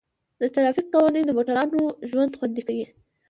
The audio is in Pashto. د ټرافیک قوانین د موټروانو ژوند خوندي کوي.